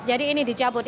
jadi ini dicabut